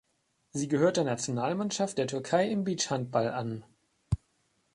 Sie gehört der Nationalmannschaft der Türkei im Beachhandball an.